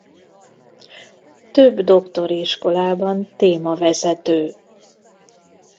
Több doktori iskolában témavezető.